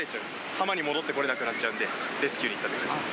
浜に戻ってこれなくなっちゃうんで、レスキューに行ったって感じです。